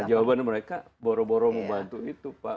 jawaban mereka boro boro membantu itu pak